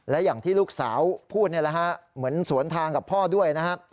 และอย่างที่ลูกสาวพูดนี่แหละฮะเหมือนสวนทางกับพ่อด้วยนะครับ